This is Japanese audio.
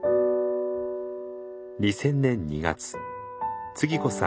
２０００年２月つぎ子さん